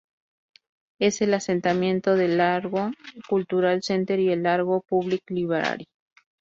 Es el asentamiento del Largo Cultural Center y el Largo Public Library.